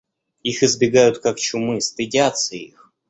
Их избегают как чумы, стыдятся их.